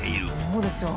そうですよ。